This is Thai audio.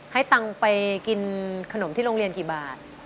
ให้ตังค์ไปกินขนมที่โรงเรียนกี่บาท